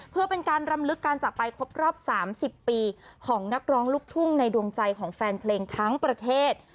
เพื่อเป็นการรำลึกการจักรไปครบรอบ๓๐ปีของนักร้องลูกทุ่งในดวงใจของแฟนเพลงทั้งประเทศ